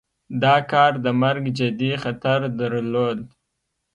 دا کار د مرګ جدي خطر درلود.